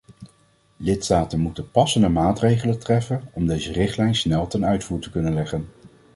Lidstaten moeten passende maatregelen treffen om deze richtlijn snel ten uitvoer te kunnen leggen.